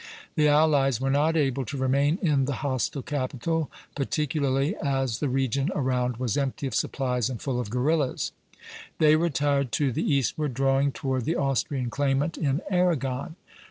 The allies were not able to remain in the hostile capital, particularly as the region around was empty of supplies and full of guerillas. They retired to the eastward, drawing toward the Austrian claimant in Aragon.